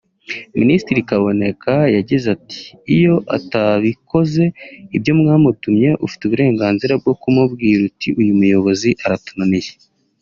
Minisitiri Kaboneka yagize ati “Iyo atabikoze [ibyo mwamutumye] ufite uburenganzira bwo kumubwira uti ‘uyu muyobozi aratunaniye